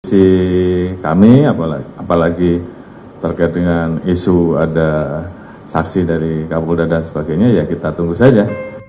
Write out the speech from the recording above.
sisi kami apalagi terkait dengan isu ada saksi dari kapolda dan sebagainya ya kita tunggu saja